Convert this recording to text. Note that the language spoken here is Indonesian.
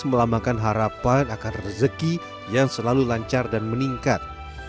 melambangkan harapan akan rezeki yang selalu lancar dan meningkat